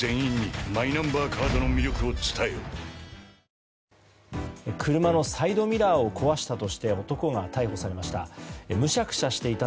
本麒麟車のサイドミラーを壊したとして男が逮捕されました。